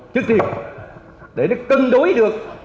trước tiên để nó cân đối được